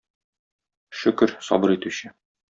Шөкер, сабыр итүче.